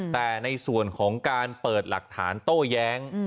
แต่ในส่วนของการเปิดหลักฐานโต้แย้ง